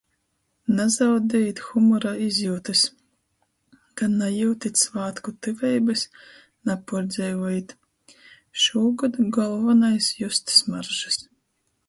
Nazaudejit humora izjiutys... Ka najiutit svātku tyveibys, napuordzeivojit... Šūgod golvonais just smaržys.